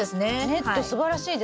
ネットすばらしいですね。